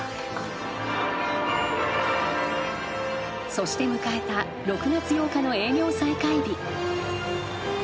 ［そして迎えた６月８日の営業再開日］